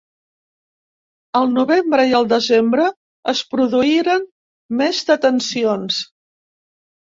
Al novembre i al desembre es produïren més detencions.